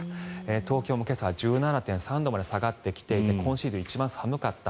東京も今朝、１７．３度まで下がってきていて今シーズン一番寒かった。